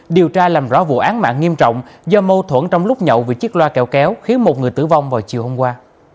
điều tra làm rõ vụ án mạng nghiêm trọng do mâu thuẫn trong lúc nhậu vì chiếc loa kẹo kéo khiến một người tử vong vào chiều hôm qua